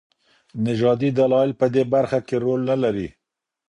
نژادي دلايل په دې برخه کي رول نلري.